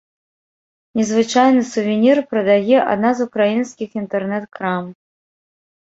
Незвычайны сувенір прадае адна з украінскіх інтэрнэт-крам.